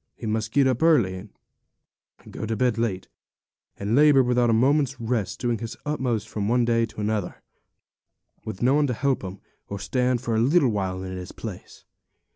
He must get up early, and go to bed late, and labour without a moment's rest, doing his utmost from one day to another, with no one to help him, or stand for a little while in his place.